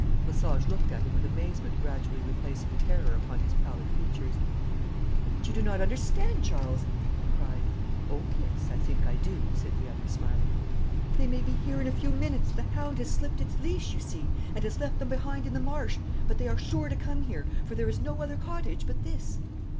Lesage looked at him with amazement gradually replacing terror upon his pallid features. 'But you do not understand, Charles,' he cried. 'Oh, yes, I think I do,' said the other, smiling. 'They may be here in a few minutes. The hound has slipped its leash, you see, and has left them behind in the marsh; but they are sure to come here, for there is no other cottage but this.'